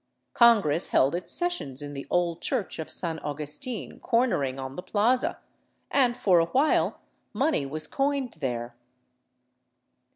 Congress held its sessions in the old church of San Augustin cornering on the plaza, and for a while money was coined there.